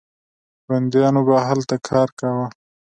بندیانو به هلته کار کاوه.